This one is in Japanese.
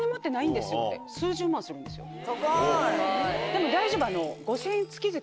「でも大丈夫」。